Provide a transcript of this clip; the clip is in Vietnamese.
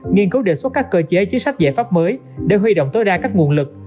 nghiên cứu đề xuất các cơ chế chính sách giải pháp mới để huy động tối đa các nguồn lực